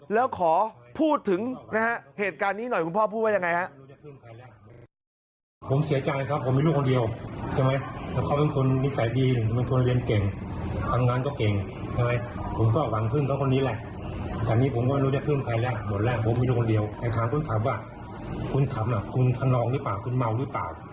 แล้วขอพูดถึงเหตุการณ์นี้หน่อยคุณพ่อพูดว่าอย่างไร